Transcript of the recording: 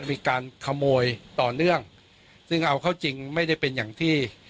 มีการขโมยต่อเนื่องซึ่งเอาเข้าจริงไม่ได้เป็นอย่างที่